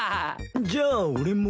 じゃあ俺も。